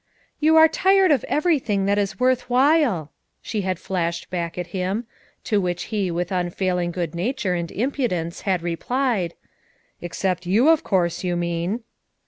"You are tired of everything that is worth while, " she had flashed back at him; to which he with unfailing good nature and impudence had replied: "Except you, of course you mean."